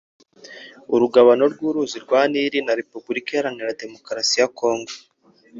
urugabano rw’uruzi rwa Nil na Repubulika Iharanira Demokarasi ya Congo